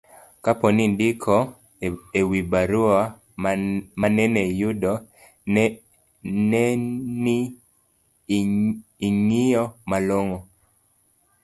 kapo ni indiko e wi barua manene iyudo, ne ni ing'iyo malong'o